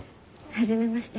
初めまして。